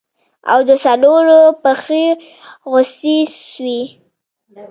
او د څلورو پښې غوڅې سوې.